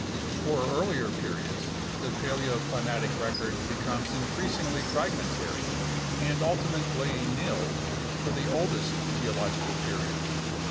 For earlier periods, the paleoclimatic record becomes increasingly fragmentary and ultimately nil for the oldest geological periods.